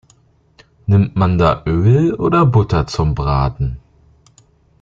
Nimmt man da Öl oder Butter zum Braten?